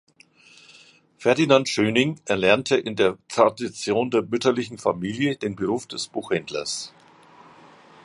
Ferdinand Schöningh erlernte in der Tradition der mütterlichen Familie den Beruf des Buchhändlers.